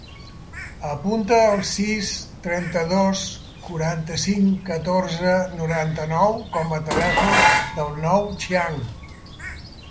Apunta el sis, trenta-dos, quaranta-cinc, catorze, noranta-nou com a telèfon del Nouh Xiang.